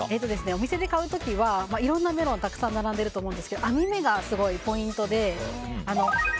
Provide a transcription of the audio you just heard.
お店で買う時はいろんなメロンがたくさん並んでいると思うんですけど網目がポイントで。